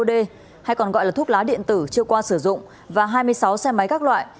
bot hay còn gọi là thuốc lá điện tử chưa qua sử dụng và hai mươi sáu xe máy các loại